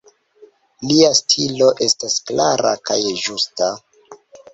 Lia stilo estas klara kaj ĝusta.